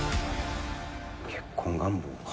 結婚願望か。